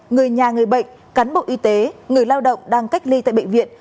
người nhà người bệnh cán bộ y tế người lao động đang cách ly tại bệnh viện